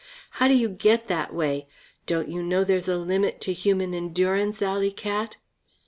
How do you get that way? Don't you know there's a limit to human endurance, alley cat?"